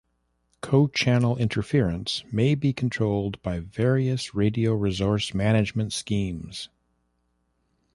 Co-channel interference may be controlled by various radio resource management schemes.